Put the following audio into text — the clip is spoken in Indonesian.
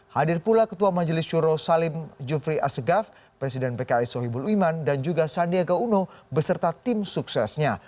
hadir pula ketua majelis juro salim jufri asegaf presiden pks sohibul iman dan juga sandiaga uno beserta tim suksesnya